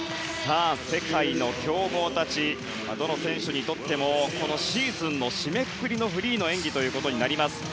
世界の強豪たちどの選手にとってもシーズンの締めくくりのフリーの演技となります。